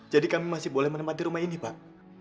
jadi kami masih boleh menempat di rumah ini pak